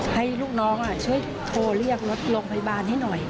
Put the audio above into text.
ให้ลูกน้องช่วยโทรเรียกรถโรงพยาบาลให้หน่อย